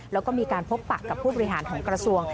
แล้วก็มีการพบปะกับผู้บริหารของกระทรวง